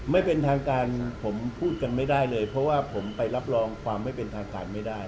ไม่เป็นทางการผมพูดกันไม่ได้เลยเพราะว่าผมไปรับรองความไม่เป็นทางการไม่ได้